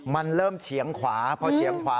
มันเริ่มเฉียงขวาพอเฉียงขวา